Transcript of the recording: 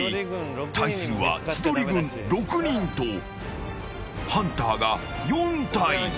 対するは千鳥軍６人とハンターが４体。